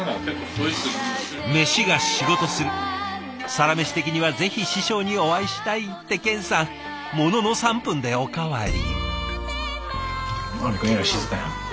「サラメシ」的にはぜひ師匠にお会いしたい。って健さんものの３分でおかわり。